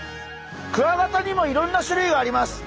クワガタにもいろんな種類があります。